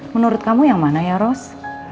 menurut kamu yang mana ya ros